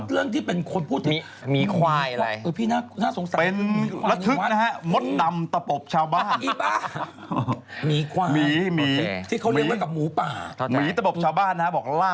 แล้วเรื่องที่เป็นคนพูด